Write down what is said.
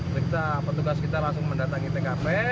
periksa petugas kita langsung mendatangi tkp